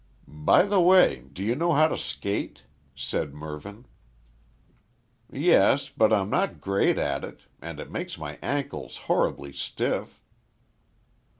"By the way, do you know how to skate?" said Mervyn. "Yes, but I'm not great at it, and it makes my ankles horribly stiff."